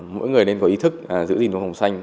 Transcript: mỗi người nên có ý thức giữ gìn quốc phòng xanh